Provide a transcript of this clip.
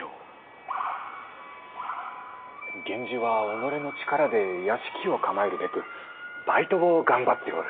源氏は己の力で屋敷を構えるべくばいとを頑張っておる。